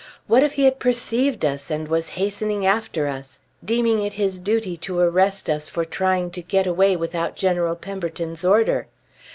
What if he had perceived us, and was hastening after us, deeming it his duty to arrest us for trying to get away without General Pemberton's order?